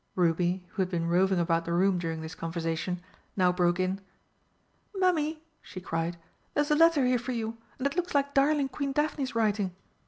Ruby, who had been roving about the room during this conversation, now broke in: "Mummy," she cried, "there's a letter here for you, and it looks like darling Queen Daphne's writing!"